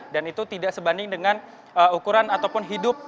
dan itu tidak sebanding dengan ukuran ataupun hidup